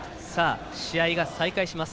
試合が再開します。